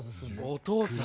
お父さん。